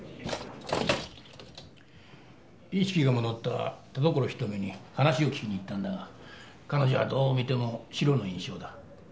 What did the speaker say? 意識が戻った田所瞳に話を聞きに行ったんだが彼女はどう見てもシロの印象だ。